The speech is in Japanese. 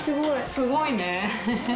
すごいね！